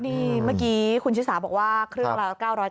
นี่เมื่อกี้คุณชิสาบอกว่าเครื่องราวตราย๙๙๙